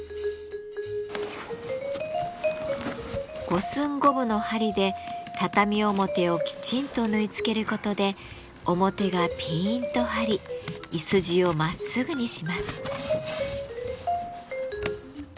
五寸五分の針で畳表をきちんと縫い付けることで表がピンと張りいすじをまっすぐにします。